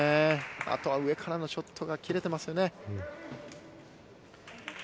あとは上からのショットが切れてますよね。